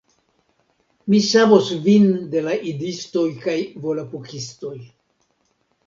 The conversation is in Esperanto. Mi savos vin de la Idistoj kaj Volapukistoj